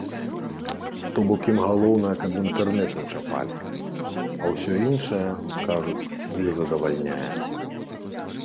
То бок ім галоўнае каб інтэрнэт не чапалі, а ўсё іншае, кажуць, іх задавальняе.